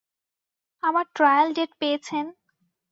আমার trial date পেয়েছেন?